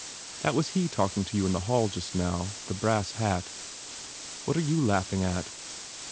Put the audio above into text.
That was he talking to you in the hall just now the Brass Hat. What are you laughing at?"